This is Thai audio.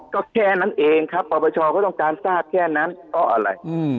ก็แค่นั้นเองครับปประชาเขาต้องการทราบแค่นั้นก็อะไร